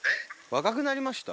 若くなりました？